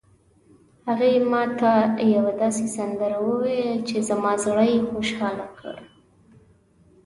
هغې ما ته یوه داسې سندره وویله چې زما زړه یې خوشحال کړ